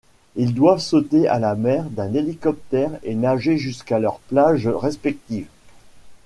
Ils doivent sauter à la mer d'un hélicoptère et nager jusqu’à leurs plages respectives.